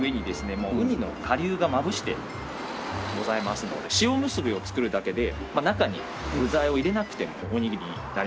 もううにの顆粒がまぶしてございますので塩むすびを作るだけで中に具材を入れなくてもおにぎりになりますので。